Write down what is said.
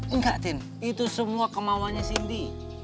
enggak tin itu semua kemauannya cindy